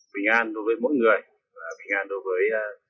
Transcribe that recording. bình an đối với mỗi người bình an đối với